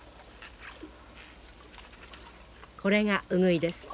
これがウグイです。